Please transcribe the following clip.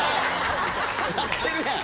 鳴ってるやん！